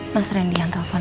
mas randy yang telfon